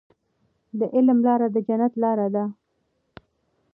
د علم لاره د جنت لاره ده.